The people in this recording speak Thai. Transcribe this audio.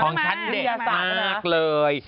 ของฉันเด็ดมากเลย